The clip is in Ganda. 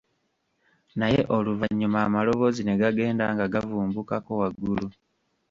Naye oluvannyuma amaloboozi ne gagenda nga gavumbukako waggulu.